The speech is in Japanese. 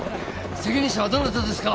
責任者はどなたですか？